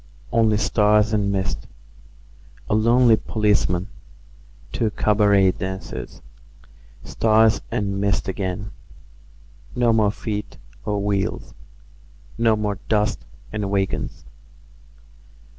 .... Only stars and mist A lonely policeman, Two cabaret dancers, Stars and mist again, No more feet or wheels, No more dust and wagons.